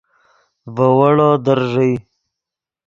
ڤے ویڑو در ݱئے